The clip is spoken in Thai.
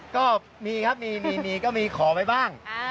ก็มีครับมีก็มีขอไว้บ้าง